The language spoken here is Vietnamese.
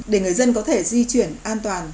để người dân có thể di chuyển an toàn